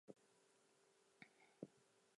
Its county seat is Manning.